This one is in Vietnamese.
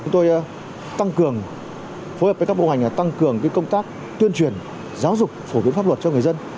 chúng tôi tăng cường phối hợp với các bộ hành tăng cường công tác tuyên truyền giáo dục phổ biến pháp luật cho người dân